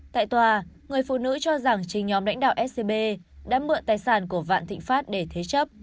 tại tòa người phụ nữ cho rằng chính nhóm lãnh đạo scb đã mượn tài sản của vạn thịnh pháp để thế chấp